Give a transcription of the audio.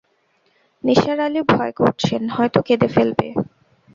নিসার আলি ভয় করছেন, হয়তো কেঁদে ফেলবে।